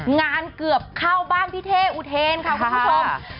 งานเกือบเข้าบ้านพี่เท่อุเทนค่ะคุณผู้ชม